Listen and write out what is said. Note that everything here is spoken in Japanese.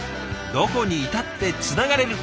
どこにいたってつながれる。